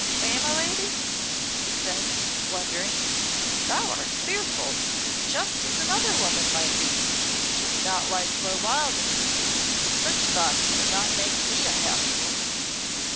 "Eh, my lady!" he said, blundering, "thou art fearful, just as another woman might be. 'Tis not like Clo Wildairs. Such thoughts will not make thee a happy woman."